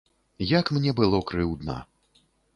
Як мне было крыўдна.